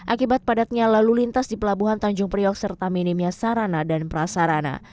akibat padatnya lalu lintas di pelabuhan tanjung priok serta minimnya sarang